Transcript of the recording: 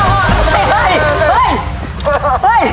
เข่ามาเลือกอ่ะ